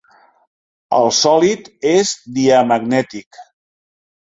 El sòlid és diamagnètic.